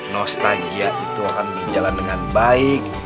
nostalgia itu akan berjalan dengan baik